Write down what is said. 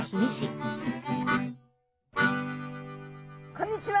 こんにちは！